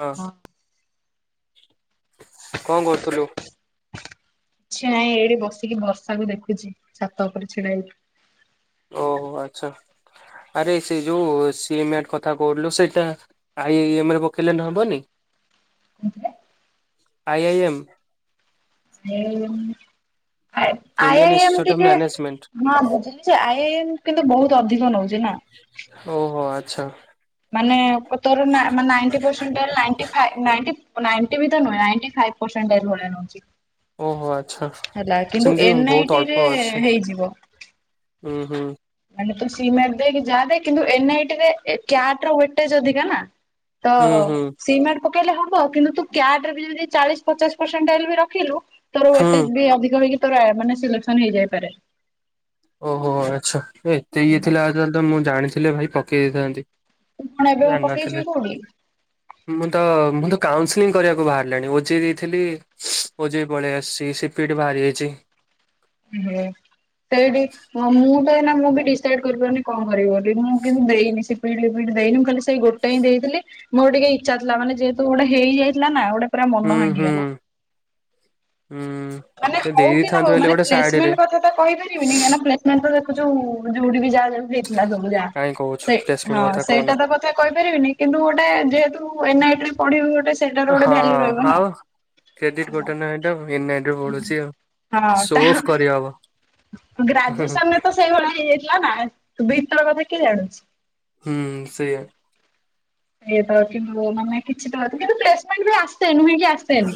ହଁ କଣ କରୁଥିଲୁ କିଛି ନାଇଁ ଏଇଠି ବସି ଟିକେ ବର୍ଷା କୁ ଦେଖୁଛି ଟିକେ ଛାତ ଉପରେ ଛିଡା ହେଇକି ଓହୋ ଆଚ୍ଛା ଆରେ ସେ ଯୋଉ ସିମେଣ୍ଟ କଥା କହୁଥିଲୁ ସେଟା ଆ ଇ ଏମ ରେ ପକେଇଲେ ହବନି କାଉଥିରେ I I M I I Indian I am institute of ଟିକେ ମ୍ୟାନେଜମେଣ୍ଟ ହଁ ବୁଝୁି ଯେ ଆଇ ଆଇ ଏମ୍ କିନ୍ତୁ ବହୁତ ଅଧିକ ନଉଛି ନା ଓହ ଆଚ୍ଛା ମାନେ ତୋର ନା ମାନେ ninety percentile ninety five ninety ninety ବି ତ ନୁହେଁ ନାଇନ୍ତି ଫା ପର୍ସେଣ୍ଟାଇଲ୍ ଭଳିଆ ନଉଛି ଓହୋ ଆଚ୍ଛା ହେଲା କିନ୍ତୁ ସେମିତି ଏନ ଆଇ ବହୁତ ଟି ଅଳ୍ପ ରେ ଅଛି ହେଇଯିବ ହୁଁ ହୁଁ ମାନେ ତୁ ସିମେଣ୍ଟ ଦେ କି ଯାହା ଦେ କିନ୍ତୁ ଏନ ଆଇ ଟି ରେ କ୍ୟାଟ୍ ୱେଟେଜ ଅଧିକା ନା ତ ହୁଁ ହୁଁ ସିମେଟ ପକେଇଲେ ହବ କିନ୍ତୁ ତୁ କ୍ୟାଟ ରେବି ଯଦି ଚାଳିଶ ପଚାଶ ପରସେଣ୍ଟାଇଲ୍ ବି ରଖିଲୁ ତୋ ହୁଁ ୱଟେଜ ବି ଅଧିକ ହେଇକି ତୋର ମାନେ ସିଲେକ୍ସନ ହେଇଯାଇପାରେ ଓହୋ ଆଚ୍ଛା ଏ ଏତେ ଇଏ ଥିଲା ତାହଲେ ତ ମୁଁ ଜାଣିି ଭାଇ ପକେଇ ଦେଇଥାନ୍ତି ତୁ କଣ ଏବେ ପକେଇଛୁ କି ଜାଣିନଥିଲି କୋଉଠି? ମୁଁ ତ ମୁଁ ତ କାଉନସିଲିିଂ କରିବାକୁ ବାହାରିଲାଣି ଓଜେଇ ଦେଇଥିଲି ଓଜେଇ ବି ପଳେଇ ଆସିଛି ସିପିଓଟି ବାହାରି ଯାଇଛି ହୁଁ ସେଇଠି ହଁ ମୁଁ ତ ଏନା ମୁଁ ବି ଡିସାଇଡ କରିବନି କଣ କରିବି ବୋଲି ମୁଁ କିନ୍ତୁ ଦେଇନି ସେ ପ ଦେଇନିଁ ଖାଲି ସେଇ ଗୋ ଟେ ହିଁ ଦେଇଥିଲ ମୋର ଟିକେ ଇଚ୍ଛା ଥିଲାନ ଯେହେତୁ ଗୋଟେ ହେଇଯାଇଥିଲା ନା ଗୋଟେ ପୁରା ମନ ହୁଁ ହୁଁ ଭାଙ୍ଗିଗଲା। ମାନେ ହୁଁ ହଉ କି ନ ହଉ ଦେଇଥାନ୍ତୁ ହେଲେ ମାନେ ଗୋଟେ ସାଇଡରେ ପ୍ଲେସମେଣ୍ଟ କଥା ତ କହିପାରିବିନି କାଁଣ ପ୍ଲେସ୍ ମେଣ୍ଟ ଦେଖୁ ଯୋଉଠି ବି ଯାହା ଯେମିତି ଦେଖିଲା ସବୁଯା କାହିଁ କହୁଛୁ ସେଇ ପ୍ଲେସମେଣ୍ଟ ହଁ କଥା ସେଇଟା କହନା। ତ କହିପାରିବିନି କିନ୍ତୁ ଗୋଟେ ଯେହେତୁ ଏନ୍ ଆଇ ଟି ରେ ପଢିବୁ ଗୋଟେ ସେ ହଁ ଆଉ କ୍ରେଡିଟ ଗୋଟେ ନା ଏଇଟା ଏନ୍ ଆଈଟି [unintelligible] ଆଉ ହଁ ତା ସୋଅଫ୍ କରି ହବ ହୁଁ ହୁଁ ଗ୍ରାଜୁଏସନରେ ହୁଁ ତ ସେଇଭଳିଆ ହେଇଯାଇଥିଲା ନା ତୁ ଭିତର କଥା କିଏ ଜାଣୁଛି। ହୁଁ ସେଇଆ। ଏଟା ଅଛି ମୋମାନେ କିଛି ଭାବି ଆଉ ପ୍ଲସ୍ ମେଟ୍ନ୍ ଆସେ ନୁହେଁ କି ଆସ୍ ସେନି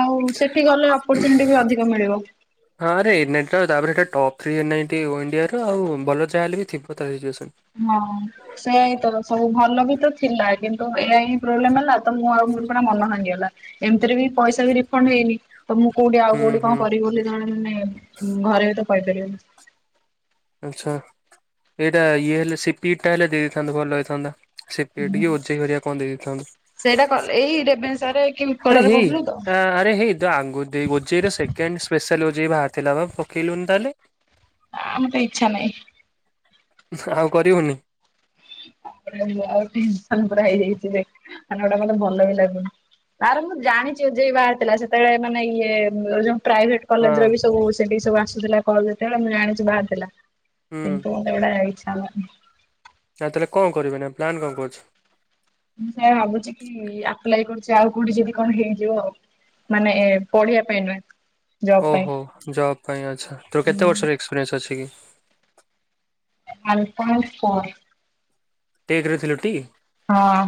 ଆଉ ସେଠି ଗଲେ ଅପର୍ଚୁନିଟି ବି ଅଧିକ ମିଳିବ। ହଁ ରେ ନେଟ ତା ପରେ ଟପ୍ ଥ୍ରୀ ଏନିଇଟି ଓ ଇଣ୍ଡିଆ ର ଆଉ ଭଲ ଯାହାଲେ ବି ଥିବ ତା ସିଚୁଏସନ୍। ହଁ ସେୟାଇ ତ ସବୁ ଭଲ ବି ତ ଥିଲା କିନ୍ତୁ ଏଇ ହିଁ ପ୍ରୋବ୍ଲେମ୍ ହେଲା। ତ ମୁଁ ଆଉ ମୋର ପୁରା ମନ ଭାଙ୍ଗିଗଲା ଏମିତିରେ ବି ପଇସା ବି ରିଫଣ୍ଡ ହେଇନି। ତ ମୁଁ କୋଉଠି ଆଉ ହୁଁ କୋଉଠି ହୁଁ କଣ କରିବି ବୋଲି ଜଣେ ମାନେ ଘରେ ବି ତ କହିପାରିବନି‌। ଆଚ୍ଛା ଏଇଟା ଇଏ ହେଲେ ସିପିଟିଟା ଦେଇ ଦେଇଥାନ୍ତେ ଭଲ ହେଇଥାନ୍ତା। ସିପିଇଟି କି ଓଜେଇ ଘରିକା କଣ ଦେଇ ଦେଇଥାନ୍ତୁୁ। ସେଇଟା କଲେ ଏଇ ରେଭେନ୍ ଶାରେ ଆରେ ହେଇ ଆ ଆରେ ହେଇ ଦ ଆଙ୍ଗୁରିଦେଇ ଓଜେଇ ର ସେକଣ୍ଡ୍ ସ୍ପେଶାଲ୍ ଓଜେଇ ବାହାରି ଥିଲା ପା ପକେଇଲୁନି ତାହେଲେ। ନାଁ ମତେ ଇଚ୍ଛା ନାହିଁ। ଆଉ କରିବୁନି? ଆଉ ଆଉସ ପୁରା ହେଇଯାଇଛି ଯେ ମାନେ ଗୋଟା ମତେ ଭଲ ବି ଲାଗୁନି। ଆରେ ମୁଁ ଜାଣିଛି ଓଜେଇ ବାହାରି ଥିଲା ସେତେବେଳେ ମାନେ ଇଏ ଯୋଉ ପ୍ରାଇଭେଟ୍ କଲେଜ୍ ହଁ। ର ବି ସବୁ ସେଠିକି ସବୁ ଆସୁଥିଲା କଲ୍ ବେଳେ ମୁଁ ଜାଣିଛି ବାହାରିଥିଲା ହୁଁ କିନ୍ତୁ ଏଇଟା ଇଛା ହଉନି। ନା ତା ହେଲେ କଣ କରିବେ ନା ପ୍ଲାନ୍ କଣ କଣ ଅଛି? ମୁଁ ସେଇଆ ଭାବୁଛି କି ଆପ୍ଲାଏ କରୁଛି ଆଉ କୋଉଠି ଯିବି କଣ ହେଇଯିବ ଆଉ ମାନେ ଏ ପଢ଼ିବା ପାଇଁ ନୁହେଁ। ଜବ୍ ପାଇଁ। ଓହୋ ଜବ୍ ପାଇଁ ଆଚ୍ଛା ତୋର କେତେ ବର୍ଷର ଏକ୍ସପିରିଏନ୍ସ ଅଛି କି? [unintelligible] ଟେକ୍ ରେ ଥିଲୁ ଟି? ହଁ।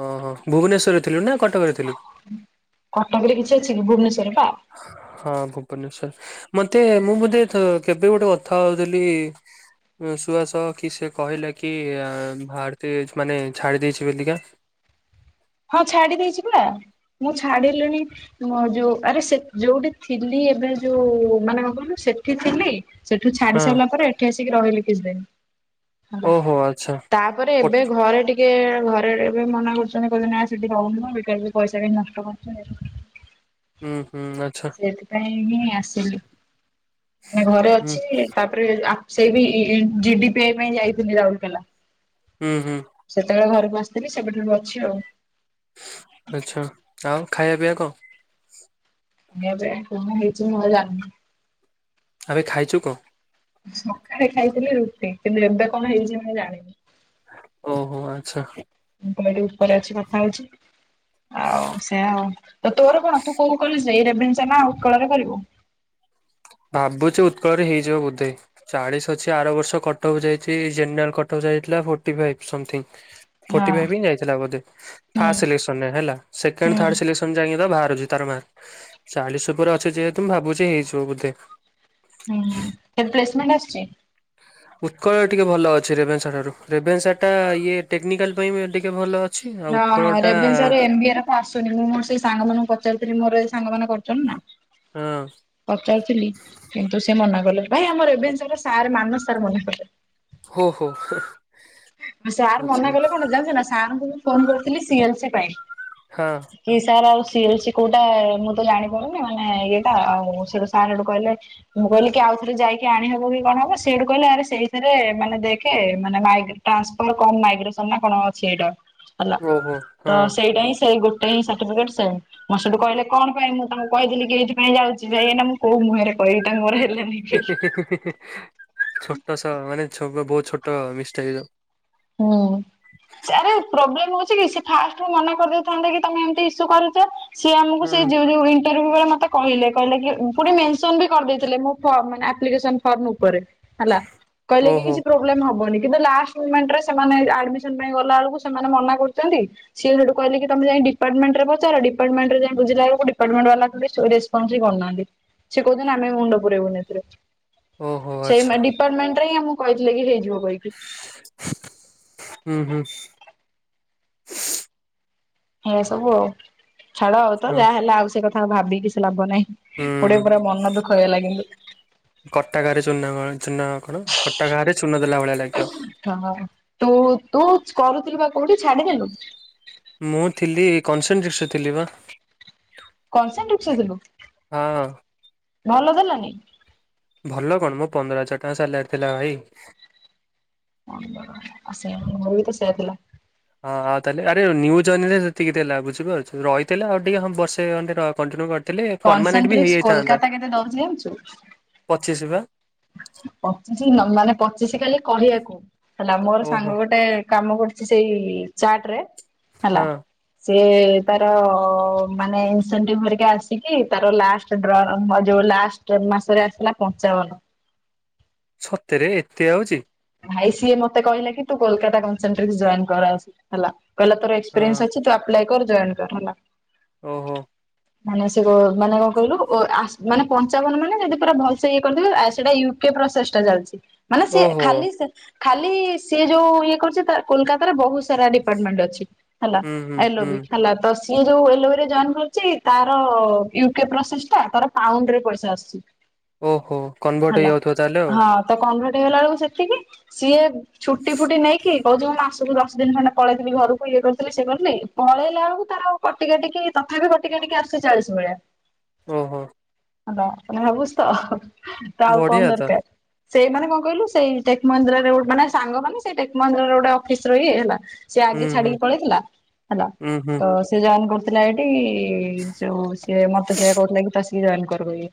ହଁ-ହଁ ଭୁବନେଶ୍ୱରରେ ଥିଲୁ ନା କଟକରେ? ଥିଲୁ? କଟକ ରେ କିଛି ଅଛି କି ଭୁବନେଶ୍ଵରରେ ପା ହଁ ଭୁବନେଶ୍ଵର ମତେ ମୁଁ ବୋଧେ ଥ କେବେ ଗୋଟେ କଥା ହୋଉଥିଲି। ସୁଆସ କି ସେ କହିଲା କି ଭାଳଦେ ମାନେ ଛାଡି଼ ଦେଇେଇଛି ବୋଲିକା। ହଁ ଛାଡ଼ି ଦେଇଛି ପୁରା ମୁଁ ଛାଡ଼ିଲିଣି। ମୁ ଯୋଉ ଆରେ ସେ ଯୋଉଠି ଥିଲି ଏବେ ଯୋଉ ମାନେ କହନୁ ସେଠି ଥିଲି। ସେଠୁ ଛାଡ଼ି ହଁ ସାରିଲା ପରେ ଏଠି ଆସିକି ରହିଲେ କିଛି ଦିନ୍। ହେଲା ଓହୋ ଆଚ୍ଛା ତାପରେ ପଟ୍ ଏବେ ଘରେ ଟିକେ ଘରେ ଏବେ ମନା କରୁଛନ୍ତି। କୁହନ୍ତି ନା ସେଠି ହୋଉନି ମ ବେକାରରେ ପଇସା କାହିଁକି ନଷ୍ଟ କରୁଛନ୍ତି। ହୁଁ-ହୁଁ ଆଚ୍ଛା। ସେଥିପାଇଁ ହିଁ ଆସିଲି ମାନେ ଘରେ ହୁଁ ଅଛି। ତାପରେ ଆକ୍ ସେ ବି ଜିଡିପିଏ ପାଇଁ ଯାଇଥିଲି ରାଉରକେଲା। ହୁଁ-ହୁଁ। ସେତେବେଳେ ଘରକୁ ଆସିଥିଲି ସେବେଠାରୁ ଅଛି ଆଉ। ଆଛା ଆଉ ଖାଇବା ପିଇବା କ? ଏବେ କଣ ହେଇଛି ମୁଁ ଜାନିଣି। ଆବେ ଖାଇଛୁ କଁ? ସକାଳେ ଖାଇଥିଲି ରୁଟି କିନ୍ତୁ ଏବେ କଣ ହେଇଛି ମୁଁ ଜାଣିନି। ଓହୋ ଆଚ୍ଛା। ମୁଁ ପାଲୋ ଏଠି ଉପରେ ଅଛି କଥା ହଉଛି ଆଉ ସେଇୟା ଆଉ। ତୋର କଣ ତୁ କୋଉ କଲେଜ୍ ରେ ଏଇ ରେଭେନ୍ସା ନା ଆଉ ଉତ୍କଳରେ କରିବୁ? ଭାବୁଛି ଉତ୍କଳରେ ହେଇଯିବ ବୋଧେ। ଚାଳିଶ ଅଛି ଆର ବର୍ଷ କଟକ ଯାଇଛି ଜେନେରାଲ କଟକ ଯାଇଥିଲା forty five something. Forty ହଁ ଫାଇବ୍ ହିଁ ଯାଇ ଥିଲା ବୋଧେ ହୁଁ ଫାଷ୍ଟ ସିଲେକ୍ସନ୍ ରେ ହେଲା ହୁଁ ସେକେଣ୍ଡ ଥାଡ଼୍ ସିଲେକ୍ସନ୍ ଯାଇଁଙ୍କି ତ ବାହାରୁଛି ତା ମାର୍କ ଚାଳିଶି ଓପରେ ଅଛି ଯେହେତୁ ମୁଁ ଭାବୁଛି ହେଇଯିବ ବୋଧେ। ହୁଁ ହୁଁ କେତେ ଏକ୍ସମେଣ୍ଟ ଆସିଛି। ଉତ୍କଳ ଟିକେ ଭଲ ଅଛି ରେଭେନ୍ସାଠାରୁ ରେଭେନ୍ସାଟା ଇଏ ଟେକ୍ନିକାଲ୍ ପାଇଁ ବି ଟିକେ ଭଲ ଅ ହଁ, ହଁ ରେଭେନ୍ସାର ଏନବିଆର ତ ଆସୁନି ମୁଁ ମୋର ସେଇ ସାଙ୍ଗ ମାନଙ୍କୁ ପଚାରିଥିଲି ମୋର ଏଇ ସାଙ୍ଗମାନେ କରିୁଛନ୍ତି ନା। ହଁ। ପଚାରୁଥିଲି କିନ୍ତୁ ସେ ମନା କଲେ ଭାଇ ଆମର ରେଭେନ୍ସାର ସାର୍ ମାନସ୍ ସାର୍ ମନା କଲେ। ହୋ ହୋ ହୋ। ସାର୍ ଆଚ୍ଛା ମନା କଲେ କଣ ଜାଣିଛୁ ନା ସାର୍ ଙ୍କୁ ମୁଁ ଫୋନ୍ କରିଥିଲି ସିଏଲସି ପାଇଁ। ହଁ। କି ସାର୍ ଆଉ ସିଏଲ ସି କୋଉଟା ମୁଁ ତ ଜାଣିପାରୁନି ମାନେ ଇଏଟା ଆଉ ସେଟୁ ସାର୍ ହେଠୁ କହିଲେ ମୁଁ କହିଲି କି ଆଉ ଥରେ ଯାଇକି ଆଣିହବ କି କଣ ହବ ସେଇଠୁ କହିଲେ ଆରେ ସେଇଥିରେ ମାନେ ଦେଖେ ମାନେ ମାଇଗ୍ରେ ଟ୍ରାନ୍ସପଲ କଣ ମାଇଗ୍ରେସନ ନା କଣ ଅଛି ଏଇଟା ହେଲା ହଁ ଓହୋ ତ ହଁ ସ ସେଇଟା ହିଁ ସେଇ ଗୋଟେ ହିଁ ସାର୍ଟିଫିକେଟ ସେମ୍। ମୁଁ ସେଠୁ କହିଲେ କଣ ପାଇଁ ମୁଁ ତାଙ୍କୁ କହିଥିଲି କି ଏଇଥିପାଇଁ ଯାଉଛି ଯାଇ ଏ ନା ମୁଁ କଉ ମୁହଁରେ କହିବି ତାଙ୍କୁ ମୋର ହେଲାନି। ହି ବୋଲି। ହି ହି ହି ଛୋଟ ସ ମାନେ ଛୋ ବହୁତ ଛୋଟ ମିଷ୍ଟେକ୍ ହେଇଛିଆଉ ହୁଁ। ଆରେ ପ୍ରୋବ୍ଲେମ ହଉଛି କି ସେ ଫାଷ୍ଟରୁ ମନା କରିଦଉଥାନ୍ତେ କି ତମେ ଏମତି ଇସୁ କରୁଛ। ସିଏ ଆମକୁ ସେ ହୁଁ ଯୁରୁ ଉଇ [unintelligible] ମତେ କହିଲେ କହିଲେ କି ପୁଣି ମେନେସନ୍ ବି କରିଦେଇଥିଲେ ମୋ ଫର୍ମ ମାନେ ମୋ ଆପ୍ଲିକେସନ ଫର୍ମ ଉପରେ। ହେଲା କହିଲେ କି ଓହୋ କିଛି ପ୍ରୋବ୍ଲେମ ହବନି କିନ୍ତୁ ଲାଷ୍ଟ ମୋମେଣ୍ଟରେ ଷ ସେମାନେ ଆଡମିସନ ପାଇଁ ଗଲା ବେଳକୁ ସେମାନେ ମନା କରୁଛନ୍ତି। ସିଏ ସେଠୁ କହିଲିକି ତମେ ଯାଇ ଡିପାର୍ଟମେଣ୍ଟରେ ପଚାର ଡିପାର୍ଟମେଣ୍ଟରେ ଯାଇ ବୁଝିଲା ବେଳକୁ ଡିପାର୍ଟେଣ୍ଟ ବାଲା କହିଲେ ସୁରେଶ କଣ ଯେ କରୁ ନାହାଁନ୍ତି ସିଏ କହୁଛନ୍ତି ଆମେ ମୁଣ୍ଡ ପୁରେଇବୁନି ଏଥିରେ। ଓହୋ ସେଇ ଆଚ୍ଛା। ମା ଡିପାର୍ଟମେଣ୍ଟ ରେ ହିଁ ଆମକୁ କହିଥିଲେ କି ହେଇଯିବ କହିକି। ଉଁ ହୁଁ,। ଏଇଆ ସବୁ ଆଉ ଛାଡ ଆଉ ତ ହଁ ଯାହା ହେଲା ଆଉ ସେ କଥା ଭାବି କିଛି ଲାଭ ନାହିଁ। ହୁଁ ଗୋଟେ ପୁରା ମନ ଦୁଃଖ ହେଇଗଲା କିନ୍ତୁ। କଟା ଘାରେ ଚୂନ କ ଚୂନ କଣ କଟା ଘାରେ ଚୂନ ଦେଲା ଭଳିଆ ଲାଗିବ। ହଁ, ହଁ ତୁ, ତୁ କରୁଥିଲୁ ପା କୋଉଠି ଛାଡିଦେଲୁ? ମୁଁ ଥିଲି କନସେନଟ୍ରେସ୍ ରେ ଥିଲି ପା। କନସେନଟ୍ରେସ୍ ଥିଲୁ ହଁ ଭଲ ଦେଲାନି? ଭଲ କଣ ମ ପନ୍ଦର ହଜାର ଟଙ୍କା ସାଲାରି ଥିଲା ଭାଇ। [unintelligible] ଆଉ ସେୟା ମୋର ବି ତ ସେଇୟା ଥିଲା। ହଁ ଆଉ ତାହେଲେ ଆରେ ନିଉ ଜଏନ୍ ରେ ସେତିକିଥିଲା ବୁଝିପାରୁଛୁ ରହିଥିଲେ ଆଉ ଟିକେ ହଁ ବର୍ଷେ ଖଣ୍ଡେ ର କଣ୍ଟିନ୍ୟୁ କ କନସେଟ୍ରେକ୍ସ କୋଲକାତା କେତେ ଦଉଛି ଜାଣିଛୁ? ପଚିଶି ପା। ପଚିଶି ନ ମାନେ ପଚିଶି କାଲି କହିବାକୁ ହେଲା ମୋର ଓହୋ ସାଙ୍ଗ ଗୋଟେ କାମ କରୁଛି ସେଇ ଚାର୍ଟରେ ହଁ। ହେଲା। ସିଏ ତାର ମାନେ ଇନସେଣ୍ଟିଭ ଧରିକି ଆସିକି ତାର ଲାଷ୍ଟ ଡ୍ରର ଯୋଉ ଲାଷ୍ଟ ମାସରେ ଆସିଲା ପଞ୍ଚାବନ। ସତରେ ଏତେ ଆଉଚି। ଭାଇ ସିଏ ମତେ କହିଲେ କି ତୁ କୋଲକାତା କାନ୍ସନଟ୍ରିକ୍ସ ଜଏନ୍ କର, ଆସି ହେଲା କହିଲା ତୋର ହଁ ଏକ୍ସପ୍ରେନ୍ସ ଅଛି ତୁ ଆପ୍ଲାୟ ଜଏନ୍ କର ହେଲା। ଓହୋ ମାନେ ସେ କ ମାନେ କଣ କହିଲୁ ଓ ଆସେ ମାନେ ପଞ୍ଚାବନ ମାନେ ଯଦି ପୁରା ଭଲ ସେ ଇଏ କରିଥିବେ ସେଟା ୟୁ କି ପ୍ରଚେଷ୍ଟା ଚାଲିଛି ମାନେ ସିଏ ଓହୋ ଖାଲି ସିଏ ଯୋଉ ଇଏ କରୁଛି ତା କୋଲକାତାରେ ବହୁତ ସାରା ଡିପାର୍ଟମେଣ୍ଟ ଅଛି। ହେଲା ହୁଁ ହୁଁ ହୁଁ। ଆଇଲୋବି ହେଲା ତ ସି ଇଏ ଯୋଉ ଏଲୋବେରୀରେ ଜଏନ କରିଛି ତାର ୟୁକେ ପ୍ରୋସେସଟା ତାର ପାଉଣ୍ଡରେ ପଇସା ଆସୁଛି। ଓହୋ କନଭର୍ଟ ହେଲା ହେଇଯାଉଥିବ ତାହେଲେ ଆଉ ହଁ ତ କନଭର୍ଟ ହେଲା ବେଳକୁ ସେତିକି ସିଏ ଛୁଟି ଫୁଟି ନେଇକି କହୁଛି ମା ଦଶ ଦିନ ଖଣ୍ଡେ ପଳେଇଥିଲି ଘରକୁ ଇଏ କରିଥିଲି ସେ କରିଥିଲି ପଳେଇଲା ବେଳକୁ ତାର କଟି କାଟିକି ତଥାପି କଟିକାଟିକି ଆସୁଛି ଚାଳିଶ ଭଳିଆ। ଓହୋ। ହେଲା ମାନେ ଭାବୁଛି ତ ତ ଆଉ କଣ ବଢିଆ ତ ଦରକାର ସେଇମାନେ କଣ କହିଲୁ ସେଇ ଟେକ୍ ମନ୍ଦିରରେ ଗୋ ମାନେ ସାଙ୍ଗ ମାନେ ସେ ଟେକ୍ ମନ୍ଦିର ଗୋଟେ ଅଫିସର ହେଲା। ସେ ହୁଁ ଆଗେ ହୁଁ ଛାଡିକି ପଳେଇଥିଲା ହେଲା ହୁଁ ହୁଁ ତ ସେ ଜଏନ୍ କରୁଥିଲା ଏଇଠି ଯୋଉ ସିଏ ମତେ ସେ କହୁଥିଲା କି ତୁ ଆସିକି ଜଏନ୍‌ କରବୋଲି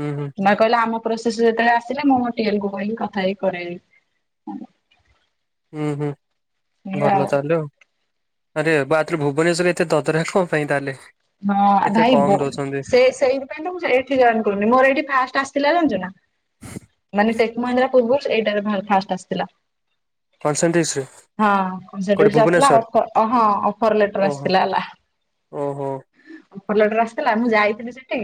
ହୁଁ ହୁଁ। କହିଲେ ଆମ ପ୍ରୋସେସ ଯେତେବେଳେ ଆସିଲା ମୁଁ ମୋ ଟିଏକୁ କହିକି କଥା ହେଇକି କରେଇବି। ହୁଁ ହୁଁ ଏଇଆ ଆଉ ଭଲ ଚାଲୁ। ଆରେ ବା ଆରେ ଭୁବନେଶ୍ୱରରେ ଏତେ ଦଦରା କଣ ପାଇଁ ତାହେଲେ? ହଁ ଏତେ ଭାଇ କମ ଦଉଛନ୍ତି ସେ ସେଇଥିପାଇ ତ ଏଠି ଜଏନ୍‌ କରୁନି ମୋର ଏଇଠି ଫାଷ୍ଟ ଆସିଥିଲା ଜାଣିଛ ନା? ମାନେ ଟେକ୍ ମହିନ୍ଦ୍ରା ପୂର୍ବରୁ ଏଇଟାରେ ଫାଷ୍ଟ ଆସିଥିଲା। କନସେଣ୍ଟ୍ରିକ୍ସରେ ହଁ କୋଉଠି ଆସିଲା ଭୁବନେଶ୍ଵର ହଁ ଅଫର ଲେଟର ଓହୋ ଆସିଥିଲା ହେଲା। ଓହୋ। ଅଫର ଲେଟରେ ଆସିଥିଲା ମୁଁ ଯାଇଥିଲି ସେଠି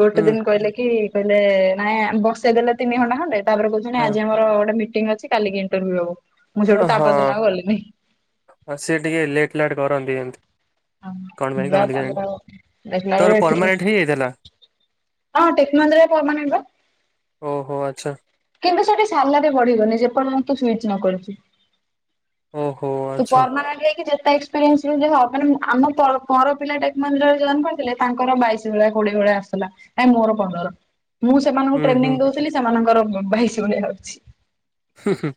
ଗୋଟେ ହୁଁ ଦିନ କହିଲେ କି? କହିଲେ ନାଇଁ ବସେଇଦେଲେ ତିନି ଘଣ୍ଟା ଖଣ୍ଡେ ତାପରେ କହୁଛନ୍ତି ଆଜି ହଁ ଆମର ଗୋଟେ ମିଟ ମିଣ୍ଟିଙ୍ଗି ଅଛି କାଲିକି ଇଣ୍ଟଭ୍ୟୁ ହବ। ମୁଁ ସେଇଠୁ ତା ହଁ ପରଦିନ ଆଉ ଗଲିନି। ସିଏ ଟିକେ ଲେଟ୍ ଲାଟ କରନ୍ତି ଏମତି ତୋର ପରମାନେଣ୍ଟ ହେଇଯାଇଥିଲା [inaudible] ହଁ ଟେକ୍ ମନ୍ଦିରରେ ପରମାନେଣ୍ଟପା। ଓହୋ ଆଚ୍ଛା କିନ୍ତୁ ସେଠି ସାଲାର ବଢ଼ିବନି ଯେପର୍ଯ୍ୟନ୍ତ ତୁ ସୁଇଚ ନ କରିଛୁ। ଓହୋ ତୁ ଆଚ୍ଛା ପରମାନେଣ୍ଟ ହେଇକି ଯେତେ ଏକ୍ସପିରିଏନ୍ସ ହ ଆମ ପର ପିଲା ଟେକ ମନ୍ଦିରରେ ଜଏନ କରିଥିଲେ ତାଙ୍କର ବାଇଶି ଭଳିଆ କୋଡିଏ ଭଳିଆ ଆସୁଥିଲା। ଆ ମୋର ପନ୍ଦର୍ ମୁଁ ସେମାନଙ୍କୁ ହୁଁ ହୁଁ ଟ୍ରେନିଂ ଦଉଥିଲି ସେମାନଙ୍କର ବାଇସି ଭଳିଆ ଆଉଛି। ହୁଁ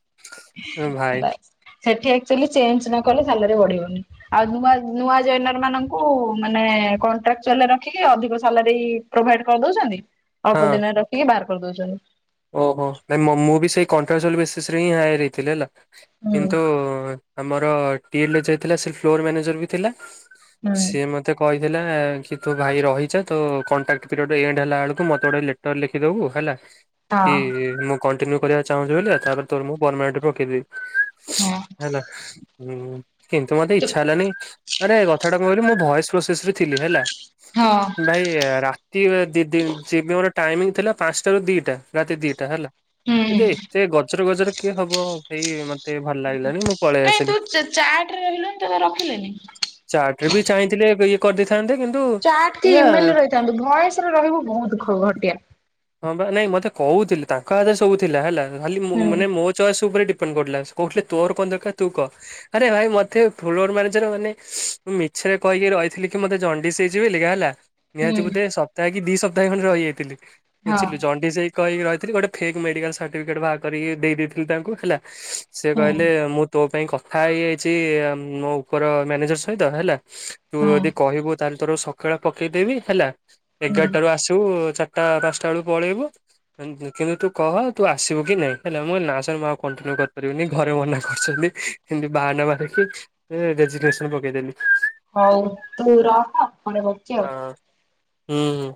ହୁଁ ଭାଇ ଭଲ ଅଛି। ସେଠି ଆକ୍ଚୁଆଲି ଚେଞ୍ଜ ନ କଲେ ସାଲେରି ବଢିବନି ଆଉ ନୂଆ ନୂଆ ଜଏନର ମାନଙ୍କୁ ମାନେ କଣ୍ଟ୍ରାକଚୁଆଲରେ ରଖିକି ଅଧିକ ସାଲାରୀ ପ୍ରୋଭାଇଡ କରିଦଉଛନ୍ତି ହଁ ଅଳ୍ପ ଦିନରେ ରଖିକି ବାହାର କରିଦଉଛନ୍ତି। ଓହୋ ନାଇଁ ମୁଁ ବି ସେଇ କଣ୍ଟ୍ରାକ୍ଚୁଆଲ ବେସିସରେ ହିଁ ହାୟାର ହେଇଥିଲି ହେଲା ହୁଁ କିନ୍ତୁ ଆମର ଟିଏ ଯାଇଥିଲା ସେ ଫ୍ଲୋର ମ୍ୟାନେଜର ବି ଥିଲା ହୁଁ ସିଏ ମତେ କହିଥିଲା କି ତୁ ଭାଇ ରହିଯା ତୋ କଣ୍ଟ୍ରାକ୍ଟ ପିରିୟଡ଼ ଏଣ୍ଡ ହେଲା ବେଳକୁ ମତେ ଗୋଟେ ଲେଟର ଲେଖିଦେବୁ ହେଲା ହଁ କି ମୁଁ କଣ୍ଟିନ୍ୟୁ କରିବାକୁ ଚାହୁଁଛି ବ ତାପରେ ତୋ ମୁଁ ପରମାନେଣ୍ଟ ରଖିଦେବି। ହଁ। ହେଲା କିନ୍ତୁ ମୋତେ ଇଚ୍ଛା ହେଲାନି ଆରେ କଥାଟା କଣ କହିଲୁ ମୁଁ ଭଏସ ପ୍ରୋସେସରେ ଥିଲି ହେଲା ହଁ ଭାଇ ରା ତି ମୋର ଟାଇମିଂ ଥିଲା ପାଞ୍ଚଟାରୁ ଦିଟା ରାତି ଦିଟା ହେଲା ଏ ହୁଁ ଏତେ ଗଜର ଗଜରେ କିଏ ହବ ସେଇ ମା ମୋତେ ଭଲ ଲାଗିଲାନି ମୁଁ ପଳେଇ କାଇଁ ତୁ ଆସିଲି। ଚାର୍ଟରେ ରହିଲୁନି ତତେ ରଖିଲେନି? ଚାଟରେ ବି ଚାହିଁଥିଲେ ଇଏ କରିଦେଇଥାନ୍ତି। ଥାନ୍ତେ କିନ୍ତୁ ଚାଟ ଏଇଆ ଇମେଲରେ ରହିଥାନ୍ତୁ ଭଏସରେ ରହିବୁ ବହୁତ ଘଟିଆ ହଁ ବା ନାଇଁ ମତେ କହୁଥିଲେ ତାଙ୍କ ହାତରେ ସବୁ ଥିଲା ହେଲା ଖାଲି ହୁଁ ମାନେ ମୋ ଚଏସ୍ ଉପରେ ଡିପେଣ୍ଡ କରୁଥିଲା ତୋର କଣ ଦରକାର ତୁ କହ? ଆରେ ଭାଇ ମତେ ଫ୍ଲୋର ମାନେ ଜର ମାନେ ମିଛରେ କହିକି ରହିଥିଲି କି ମତେ ଜଣ୍ଡିସ ହେଇଚି ବୋଲିକା ହେଲା। ହୁଁ ନିହାତି ବୋଧେ ସପ୍ତାକ କି ଦି ସପ୍ତାହେ ଖଣ୍ଡେ ରହିଯାଇିଥିଲି ହଁ ବୁଝିଲୁ ଜଣ୍ଡିସ ହେଇ କହିକି ରହିଥିଲି ଗୋଟେ ଫେକ୍ ମେଡିକାଲ ସର୍ଟିଫିକେଟ ବାହାର କରିିକି ଦେଇ ଦେଇଥିଲି ତାଙ୍କୁ ହେଲା। ସେ ହୁଁ କହିଲେ ମୁଁ ତୋ ପାଇଁ କଥା ହେଇଯାଇଛି ଆ ମୋ ଉପର ମ୍ୟାନେଜର ସହିତ ହେଲା ତୁ ହୁଁ ଯଦି କହିବୁ ତାହାଲେ ତୋର ସକାଳୁଆ ପକେଇଦେବି ହେଲା ହୁଁ ଏଗାରଟାରୁୁ ଆସିବୁ ଚାରିଟା ପାଞ୍ଚଟା ବେଳୁ ପଳେଇବୁ। [unintelligible] କିନ୍ତୁ ତୁ କହ ତୁ ଆସିବୁ କି ନାଇଁ ହେଲା ମୁଁ କହିଲି ନା ସାର୍ ମୁଁ ଆଉ କଣ୍ଟିନ୍ୟୁ କରିପାରିବିନି ଘରେ ମନା କରିଛନ୍ତି। ଏମିତି ବାହାନା ମାରିକି ରେଜିଂନେସନ ପକେଇଦେଲି। ହୋଉ ତୁ ରହ ପରେ କରୁଛି ହଁ ଆଉ। ହୁଁ।